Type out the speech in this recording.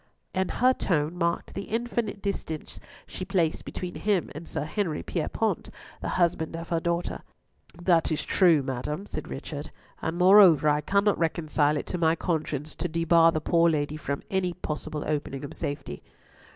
And her tone marked the infinite distance she placed between him and Sir Henry Pierrepoint, the husband of her daughter. "That is true, madam," said Richard, "and moreover, I cannot reconcile it to my conscience to debar the poor lady from any possible opening of safety."